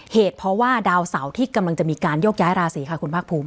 เหตุเพราะว่าดาวเสาที่กำลังจะมีการโยกย้ายราศีค่ะคุณภาคภูมิ